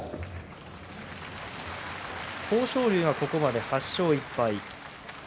豊昇龍がここまで８勝１敗。